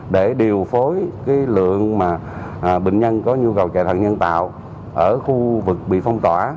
để điều phối lượng mà bệnh nhân có nhu cầu chạy thận nhân tạo ở khu vực bị phong tỏa